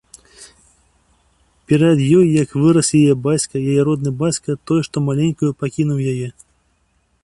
Перад ёй як вырас яе бацька, яе родны бацька, той, што маленькую пакінуў яе.